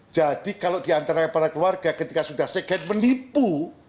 jadi kalau diantaranya para keluarga ketika sudah seget menipu